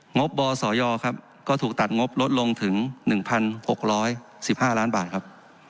งบบสยครับก็ถูกตัดงบลดลงถึง๑๖๑๕ล้านบาทครับ